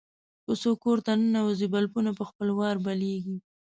که څوک کور ته ننوځي، بلپونه په خپله ورته بلېږي.